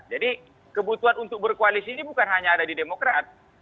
jadi kebutuhan untuk berkoalisi ini bukan hanya ada di demokrat